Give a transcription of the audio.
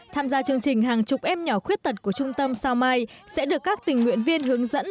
tham gia chương trình hàng chục em nhỏ khuyết tật của trung tâm sao mai sẽ được các tình nguyện viên hướng dẫn